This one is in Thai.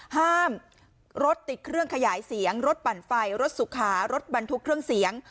ห้ามรถติดเครื่องขยายเสียงรถปั่นไฟรถสุขารถบรรทุกเครื่องเสียง